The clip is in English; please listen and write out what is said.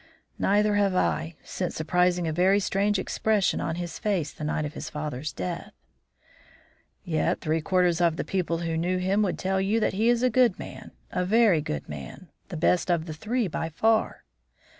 "Neither have I, since surprising a very strange expression on his face the night of his father's death." "Yet three quarters of the people who knew him would tell you that he is a good man, a very good man, the best of the three, by far."